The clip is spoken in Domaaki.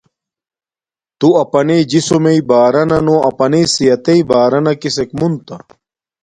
تو اپانݵ جسمݵ بارانا نو اپانݵ صحتݵ بارانا کسک مونتا۔